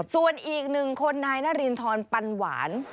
ส่วนอีกหนึ่งคนนายนารินทรปันหวาน